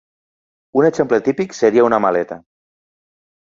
Un exemple típic seria una maleta.